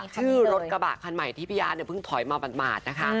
ชื่อรถกระบะคันใหม่ที่พี่อาร์ตเนี่ยเพิ่งถอยมาหมาดนะคะ